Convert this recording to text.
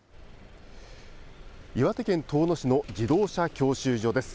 岩手県遠野市の自動車教習所です。